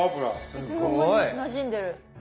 いつの間になじんでる。